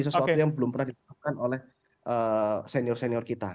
sesuatu yang belum pernah dilakukan oleh senior senior kita